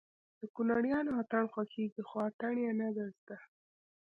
د کونړيانو اتڼ خوښېږي خو اتڼ يې نه زده